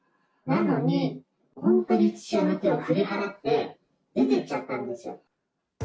なのに本当に父親の手を振り払って、出てっちゃったんですよ。